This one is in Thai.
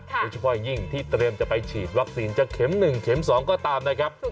โดยเฉพาะยิ่งที่เตรียมจะไปฉีดวัคซีนจะเข็ม๑เข็ม๒ก็ตามนะครับ